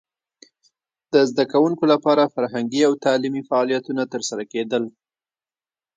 د زده کوونکو لپاره فرهنګي او تعلیمي فعالیتونه ترسره کېدل.